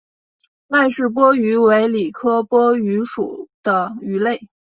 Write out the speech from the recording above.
麦氏波鱼为鲤科波鱼属的鱼类。